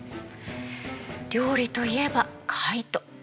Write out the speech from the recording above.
料理といえばカイト。